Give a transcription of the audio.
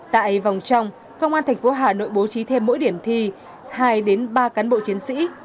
tại vòng trong công an thành phố hà nội bố trí thêm mỗi điểm thi hai ba cán bộ chiến sĩ